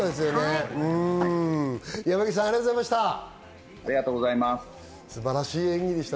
山岸さん、ありがとうございました。